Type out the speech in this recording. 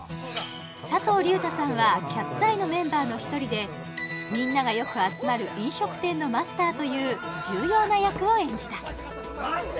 佐藤隆太さんはキャッツアイのメンバーの１人でみんながよく集まる飲食店のマスターという重要な役を演じたマジで？